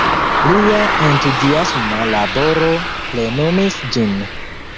Lia entuziasma laboro plenumis ĝin.